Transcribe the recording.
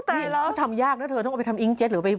นี่แล้วทำยากนะเธอต้องเอาไปทำอิงเจ็ตหรือไป